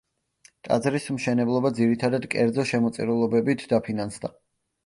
ტაძრის მშენებლობა ძირითადად კერძო შემოწირულობებით დაფინანსდა.